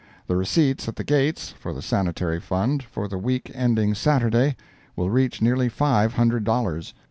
The receipts at the gates, for the Sanitary Fund, for the week ending Saturday, will reach nearly five hundred dollars.